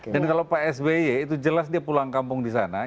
dan kalau pak sbe itu jelas dia pulang kampung di sana